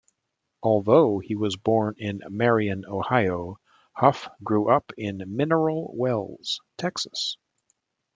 Although he was born in Marion, Ohio, Huff grew up in Mineral Wells, Texas.